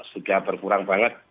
sudah berkurang banget